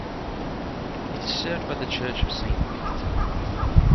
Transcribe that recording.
It is served by the Church of Saint Peter.